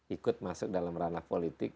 ikut masuk dalam ranah politik